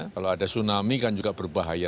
kalau ada tsunami kan juga berbahaya